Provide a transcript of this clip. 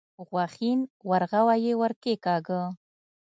غوښين ورغوی يې ور کېکاږه.